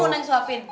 sok udah disuapin